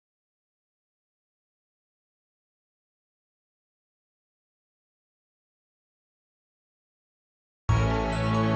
sampai jumpa di video selanjutnya